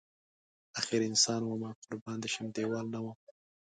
اخر انسان ومه قربان دی شم دیوال نه وم